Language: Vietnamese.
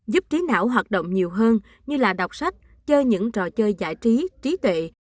giúp trí não hoạt động nhiều hơn như là đọc sách chơi những trò chơi giải trí trí tuệ